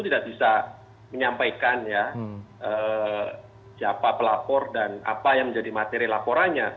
tidak bisa menyampaikan ya siapa pelapor dan apa yang menjadi materi laporannya